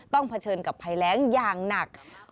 เผชิญกับภัยแรงอย่างหนัก